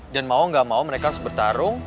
dan mau gak mau mereka harus bertarung